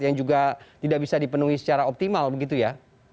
yang juga tidak bisa dipenuhi secara optimal begitu ya